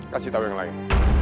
kasih tau yang lain